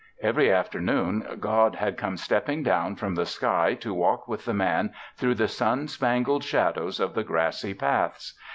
Every afternoon God had come stepping down from the sky to walk with the Man through the sun spangled shadows of the grassy paths.